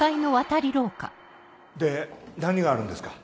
で何があるんですか？